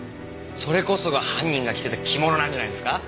それこそが犯人が着てた着物なんじゃないんですか？